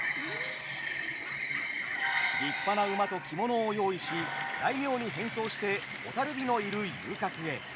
立派な馬と着物を用意し大名に変装して蛍火のいる遊郭へ。